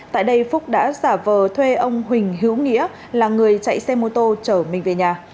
tại đây phúc đã giả vờ thuê ông huỳnh hữu nghĩa là người chạy xe mô tô chở mình về nhà